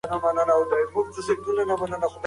تاسو کوم ډول تفریحي پروګرامونه ډېر خوښوئ؟